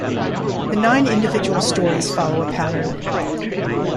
The nine individual stories follow a pattern.